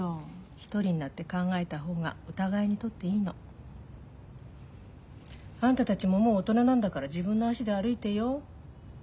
一人になって考えた方がお互いにとっていいの。あんたたちももう大人なんだから自分の足で歩いてよ。ね？